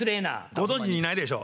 ご存じないでしょ？